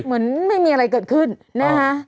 เหมือนไม่มีอะไรเกิดขึ้นนะคะ